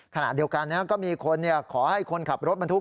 ขณะเดียวกันก็มีคนขอให้คนขับรถบรรทุก